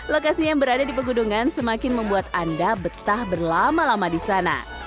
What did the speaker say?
lokasi yang berada di pegunungan semakin membuat anda betah berlama lama di sana